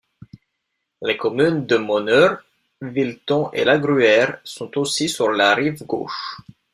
Les communes de Monheurt, Villeton et Lagruère sont aussi sur la rive gauche.